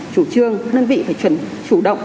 các đơn vị phải chủ động